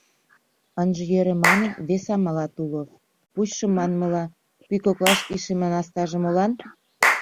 Ынже йӧрӧ манын, вес амалат уло: пучшо, манмыла, пӱй коклаш ишыме настаже, молан?